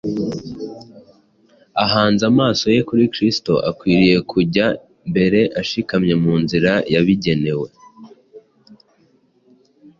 Ahanze amaso ye kuri Kristo, akwiriye kujya mbere ashikamye mu nzira yabigenewe